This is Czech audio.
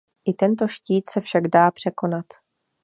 I tento štít se však dá překonat.